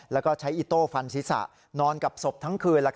แล้วก็ใช้อิโต้ฟันศีรษะนอนกับศพทั้งคืน